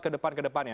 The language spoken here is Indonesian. ke depan ke depannya